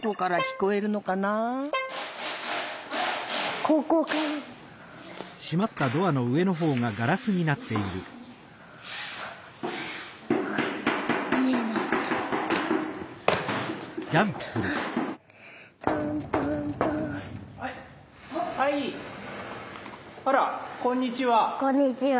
こんにちは。